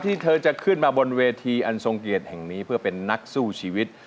ที่เธอจะขึ้นมาบนเวทีอันทรงเกียรติแห่งนี้เพื่อเป็นนักสู้ชีวิต